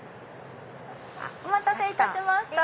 お待たせいたしました。